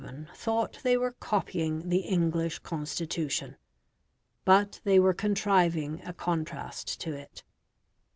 The Americans of 1787 thought they were copying the English Constitution, but they were contriving a contrast to it.